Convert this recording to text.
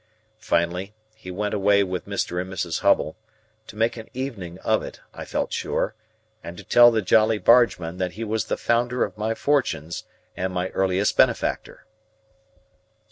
Finally, he went away with Mr. and Mrs. Hubble,—to make an evening of it, I felt sure, and to tell the Jolly Bargemen that he was the founder of my fortunes and my earliest benefactor.